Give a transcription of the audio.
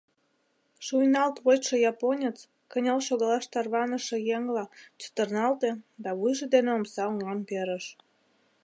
Шуйналт вочшо японец, кынел шогалаш тарваныше еҥла, чытырналте да вуйжо дене омса оҥам перыш.